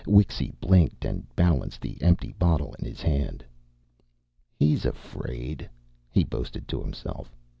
Wixy blinked and balanced the empty bottle in his hand. "He's afraid!" he boasted to himself.